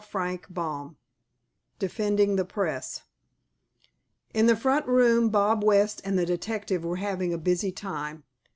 CHAPTER XX DEFENDING THE PRESS In the front room Bob West and the detective were having a busy time.